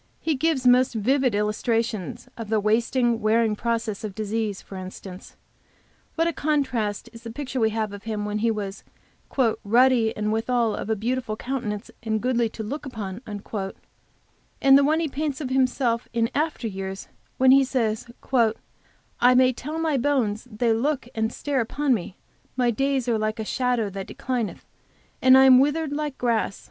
He gives most vivid illustrations of the wasting, wearing process of disease for instance, what a contrast is the picture we have of him when he was "ruddy, and withal of a beautiful countenance, and goodly to look to," and the one he paints of himself in after years, when he says, "I may tell all my bones they look and stare upon me; my days are like a shadow that declineth, and I am withered like grass.